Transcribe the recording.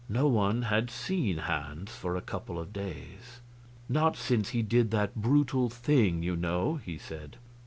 No one had seen Hans for a couple of days. "Not since he did that brutal thing, you know," he said.